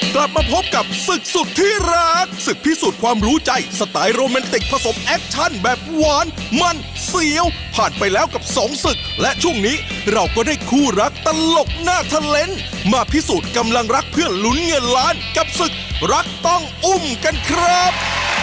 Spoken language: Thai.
กลับมาพบกับศึกสุดที่รักศึกพิสูจน์ความรู้ใจสไตล์โรแมนติกผสมแอคชั่นแบบหวานมันเสียวผ่านไปแล้วกับสองศึกและช่วงนี้เราก็ได้คู่รักตลกหน้าทะเลนส์มาพิสูจน์กำลังรักเพื่อลุ้นเงินล้านกับศึกรักต้องอุ้มกันครับ